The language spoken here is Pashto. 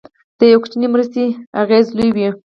د یو کوچنۍ مرستې اغېز لوی وي.